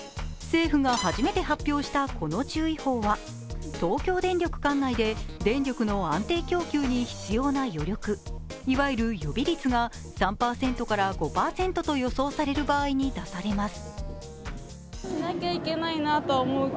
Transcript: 政府が初めて発表したこの注意報は東京電力管内で電力の安定供給に必要な余力、いわゆる予備率が３％から５％と予想される場合に出されます。